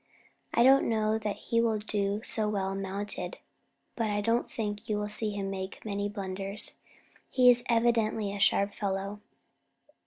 I don't know that he will do so well mounted, but I don't think you will see him make many blunders. He is evidently a sharp fellow."